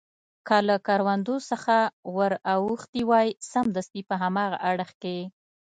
که له کروندو څخه ور اوښتي وای، سمدستي په هاغه اړخ کې.